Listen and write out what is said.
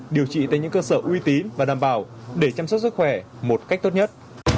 điều trị tại những cơ sở uy tín và đảm bảo để chăm sóc sức khỏe một cách tốt nhất